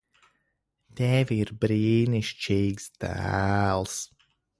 Tev ir brīnišķīgs dēls.